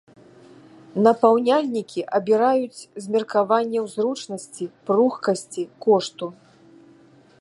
Напаўняльнікі абіраюць з меркаванняў зручнасці, пругкасці, кошту.